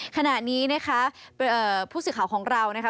ขณะนี้นะคะผู้สื่อข่าวของเรานะคะ